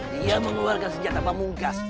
dia mengeluarkan senjata pamungkas